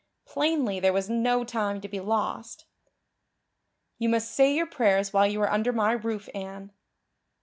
Plainly there was no time to be lost. "You must say your prayers while you are under my roof, Anne."